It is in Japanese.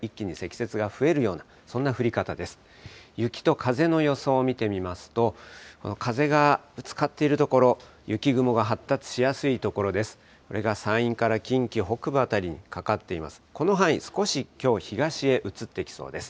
雪と風の予想を見てみますと、風がぶつかっている所、雪雲が発達しやすい所です。